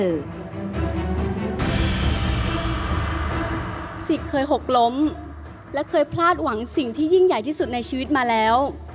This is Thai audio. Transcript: สิทธิ์เคยหกล้มและเคยพลาดหวังสิ่งที่ยิ่งใหญ่ที่สุดในชีวิตมาแล้ว